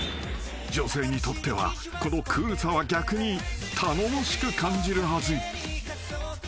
［女性にとってはこのクールさは逆に頼もしく感じるはず］